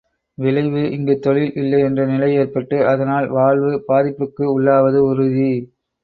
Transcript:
விளைவு இங்கு தொழில் இல்லை என்ற நிலை ஏற்பட்டு அதனால் வாழ்வு பாதிப்புக்கு உள்ளாவது உறுதி.